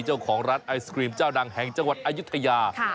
เจ้าของร้านไอศครีมเจ้าดังแห่งจังหวัดอายุทยา